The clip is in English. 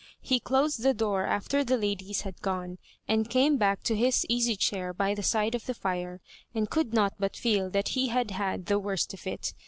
He closed the door after the ladies had gone, and came back to his easy chair by the side of the fire, and could not but feel that he had had the worst of it.